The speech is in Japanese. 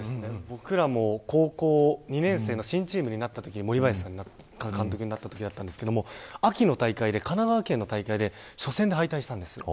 僕らも高校２年生の新チームになったときに森林監督になったんですが秋の大会で、神奈川県の大会で初戦で敗退したんです。